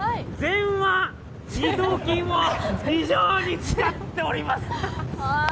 今、前腕二頭筋を非常に使っております！！